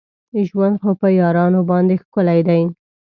ژوند خو په یارانو باندې ښکلی دی.